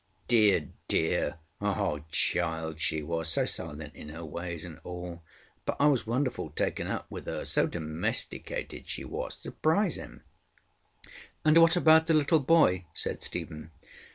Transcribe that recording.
Dear, dear! a hodd child she was, so silent in her ways and all, but I was wonderful taken up with her, so domesticated she wasŌĆösurprising. ŌĆØ ŌĆ£And what about the little boy? ŌĆØ said Stephen.